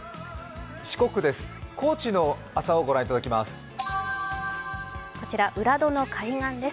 四国です、高知の朝を御覧いただきます。